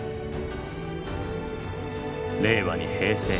令和に平成。